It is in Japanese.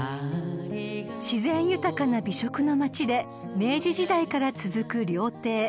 ［自然豊かな美食の街で明治時代から続く料亭］